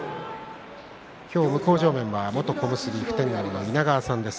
今日、向正面は元小結普天王の稲川さんです。